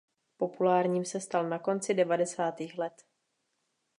Populárním se stal na konci devadesátých let.